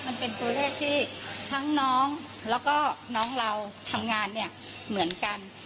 มันเป็นตัวเลขที่ทั้งน้องแล้วก็น้องเราทำงานเนี่ยเหมือนกัน